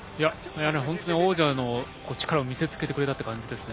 本当に王者の力を見せ付けてくれた感じです。